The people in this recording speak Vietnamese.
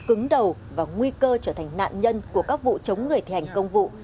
những đối tượng cứng đầu và nguy cơ trở thành nạn nhân của các vụ chống người thi hành công vụ